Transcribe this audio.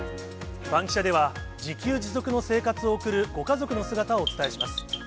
バンキシャでは、自給自足の生活を送るご家族の姿をお伝えします。